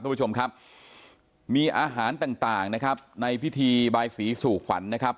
คุณผู้ชมครับมีอาหารต่างนะครับในพิธีบายสีสู่ขวัญนะครับ